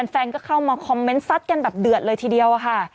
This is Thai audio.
แฟนก็เข้ามาคอมเมนต์ซัดกันแบบเดือดเลยทีเดียวค่ะ